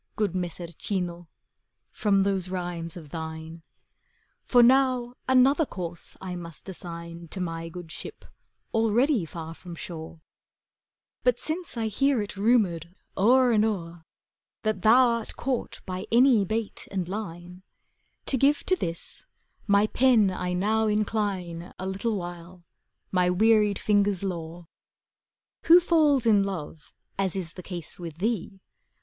Good Messer Cino, from those rhymes of thine. For now another course I must assign To my good ship, already far from shore: But since I hear it rumoured o'er and o'er ^ That thou art caught by any bait and line, To give to this my pen I now incline, A little while, my wearied fingers' lore. Who falls in love, as is the case with thee.